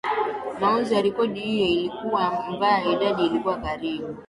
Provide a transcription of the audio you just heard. Mauzo ya rekodi hiyo yalikuwa mabaya idadi ilikuwa karibu